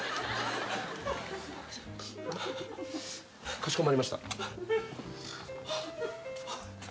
かしこまりました。